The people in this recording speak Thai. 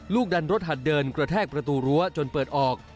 ดันรถหัดเดินกระแทกประตูรั้วจนเปิดออก